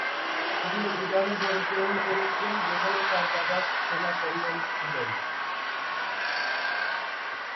তিনি ইরানে জন্মগ্রহণ করেছিলেন যেখানে তাঁর বাবা সেনা কর্নেল ছিলেন।